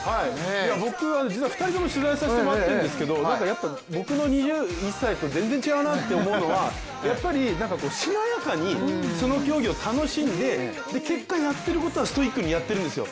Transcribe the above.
僕、実は２人とも取材をさせてもらってるんですけど僕の２１歳と全然違うなって思うのはやっぱりしなやかに、その競技を楽しんで結果やっていることはストイックにやっているんですよ。